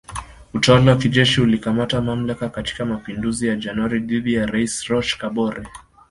Utawala wa kijeshi ulikamata mamlaka katika mapinduzi ya Januari dhidi ya Rais Roch Kabore